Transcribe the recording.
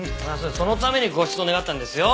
そのためにご出動願ったんですよ